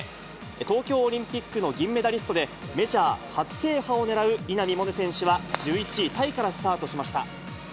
東京オリンピックの銀メダリストで、メジャー初制覇を狙う稲見萌寧選手は１１位タイからスタートしました。